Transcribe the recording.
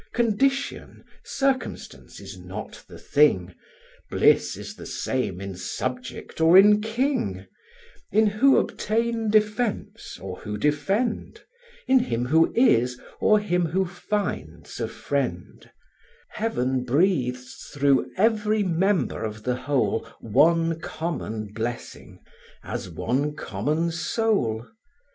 Condition, circumstance is not the thing; Bliss is the same in subject or in king, In who obtain defence, or who defend, In him who is, or him who finds a friend: Heaven breathes through every member of the whole One common blessing, as one common soul.